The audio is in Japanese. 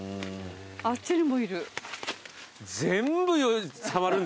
あっちにもいる。